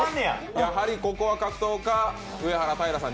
やはりここは格闘家、上はらたいらさん